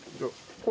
これ。